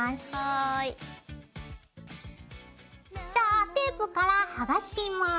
じゃあテープから剥がします。